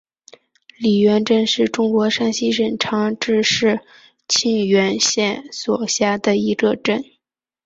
李元镇是中国山西省长治市沁源县所辖的一个镇。